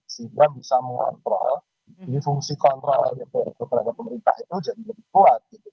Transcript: sehingga bisa mengontrol ini fungsi kontrol terhadap pemerintah itu jadi lebih kuat gitu